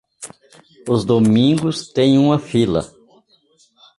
Os domingos têm uma fila.